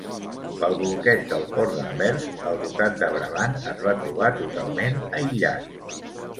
Pel bloqueig del port d'Anvers el ducat de Brabant es va trobar totalment aïllat.